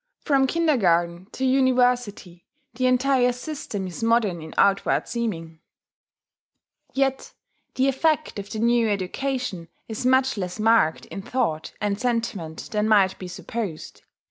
From Kindergarten to University the entire system is modern in outward seeming; yet the effect of the new education is much less marked in thought and sentiment than might be supposed.